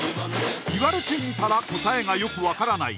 言われてみたら答えがよく分からない